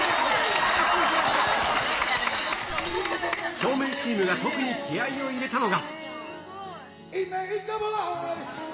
照明チームが特に気合いを入れたのが。